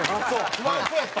不安そうやった？